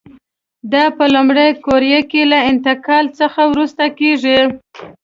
دا په لومړۍ قوریه کې له انتقال څخه وروسته کېږي.